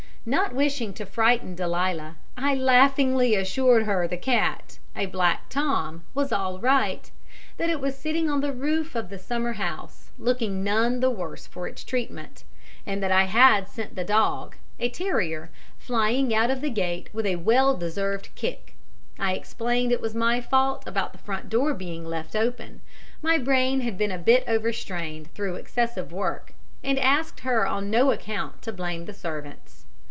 Not wishing to frighten Delia, I laughingly assured her the cat a black Tom was all right, that it was sitting on the roof of the summer house, looking none the worse for its treatment, and that I had sent the dog a terrier flying out of the gate with a well deserved kick. I explained it was my fault about the front door being left open my brain had been a bit overstrained through excessive work and asked her on no account to blame the servants.